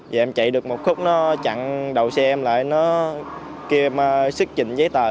và em chạy được một khúc nó chặn đầu xe em lại nó kêu em xức trình giấy tờ